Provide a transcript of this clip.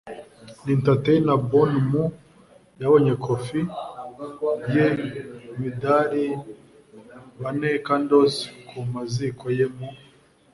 Ni Entertainer Born Mu , yabonye Coffin ye imidari bane Candles ku maziko ye Mu